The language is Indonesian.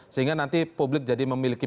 sehingga nanti publik jadi memiliki